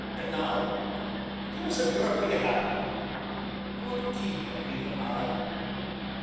An' now gi'e us a grup o' ye hand. Gude keep ye, Peter, man!"